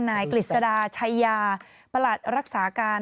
กฤษดาชัยยาประหลัดรักษาการ